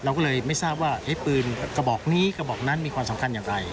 เราก็เลยไม่ทราบว่าปืนกระบอกนี้กระบอกนั้นมีความสำคัญอย่างไร